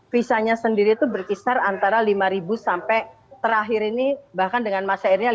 visanya sendiri itu berkisar antara lima sampai terakhir ini bahkan dengan masa akhirnya